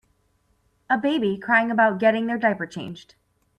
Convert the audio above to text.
A baby crying about getting their diaper changed.